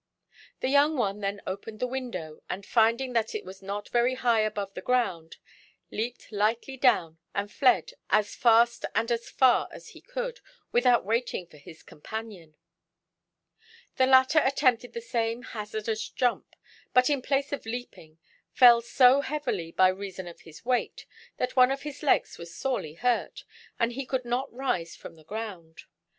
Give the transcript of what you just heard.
The young one then opened the window, and, finding that it was not very high above the ground, leaped lightly down and fled as fast and as far as he could, without waiting for his companion. The latter attempted the same hazardous jump, but in place of leaping, fell so heavily by reason of his weight, that one of his legs was sorely hurt, and he could not rise from the ground.